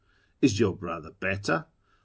Is your brother better ?